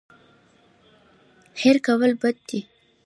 هېر کول بد دی.